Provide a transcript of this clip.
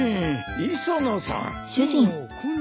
磯野さん。